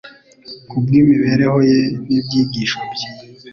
Kubw'imibereho ye n'ibyigisho bye,